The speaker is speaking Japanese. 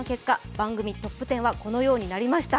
番組トップ１０はこのようになりました。